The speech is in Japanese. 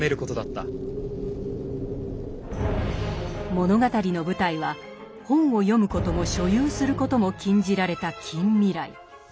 物語の舞台は本を読むことも所有することも禁じられた近未来。